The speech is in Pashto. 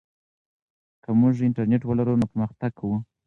که موږ انټرنیټ ولرو نو پرمختګ کوو.